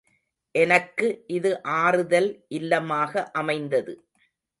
எனக்கு இது ஆறுதல் இல்லமாக அமைந்தது.